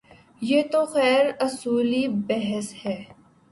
یہ تو خیر اصولی بحث ہے۔